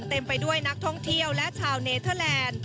เต็มไปด้วยนักท่องเที่ยวและชาวเนเทอร์แลนด์